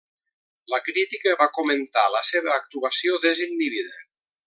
La crítica va comentar la seva actuació desinhibida.